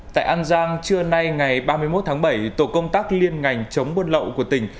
tại an giang trưa nay ngày ba mươi một tháng bảy tổ công tác liên ngành chống buôn lậu của tỉnh